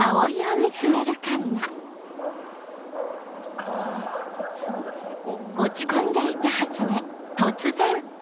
あこの粒が最高。